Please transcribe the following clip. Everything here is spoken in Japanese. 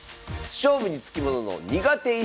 勝負に付きものの苦手意識。